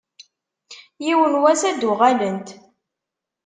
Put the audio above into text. Yiwen n wass ad d-uɣalent.